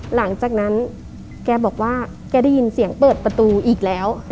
หลังจากนั้นแกบอกว่าแกได้ยินเสียงเปิดประตูอีกแล้ว